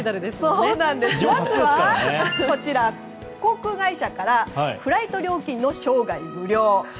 まずは、航空会社からフライト料金の生涯無料。